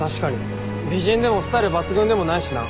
美人でもスタイル抜群でもないしな。